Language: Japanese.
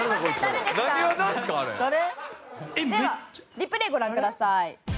ではリプレイご覧ください。